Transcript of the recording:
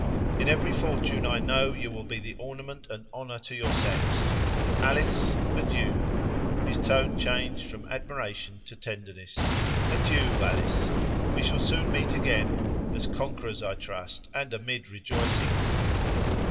"In every fortune, I know you will be an ornament and honor to your sex. Alice, adieu"—his voice changed from admiration to tenderness—"adieu, Alice; we shall soon meet again; as conquerors, I trust, and amid rejoicings!"